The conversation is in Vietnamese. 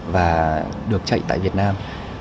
và được chạy tại việt nam